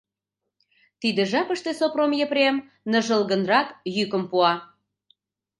Тиде жапыште Сопром Епрем ныжылгынрак йӱкым пуа.